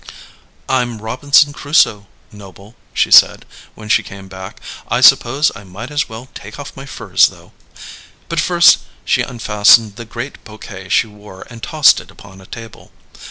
"I'm Robinson Crusoe, Noble," she said, when she came back. "I suppose I might as well take off my furs, though." But first she unfastened the great bouquet she wore and tossed it upon a table.